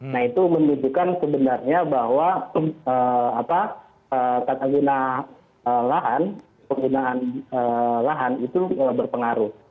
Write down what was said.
nah itu menunjukkan sebenarnya bahwa tata guna lahan penggunaan lahan itu berpengaruh